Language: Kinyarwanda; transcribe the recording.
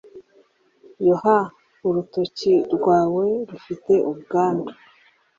yoha, urutoki rwawe rufite ubwandu